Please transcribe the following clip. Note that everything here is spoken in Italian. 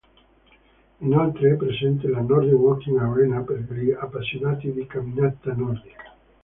Inoltre è presente la Nordic Walking Arena per gli appassionati di camminata nordica.